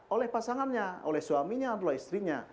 oleh pasangannya oleh suaminya oleh istrinya